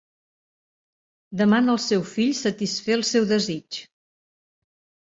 Demana al seu fill satisfer el seu desig.